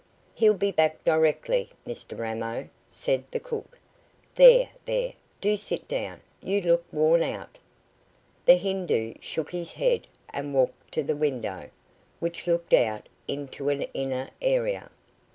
"He'll be back directly, Mr Ramo," said the cook. "There, there, do sit down, you look worn out." The Hindoo shook his head and walked to the window, which looked out into an inner area.